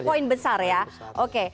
poin besar ya oke